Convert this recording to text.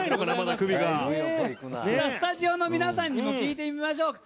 スタジオの皆さんにも聞いてみましょう。